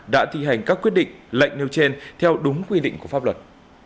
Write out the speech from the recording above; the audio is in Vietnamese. đã thi hành các quyết định lệnh nêu trên theo đúng quy định của pháp luật